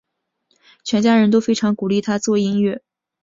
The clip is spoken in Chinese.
全家人都非常鼓励他做音乐。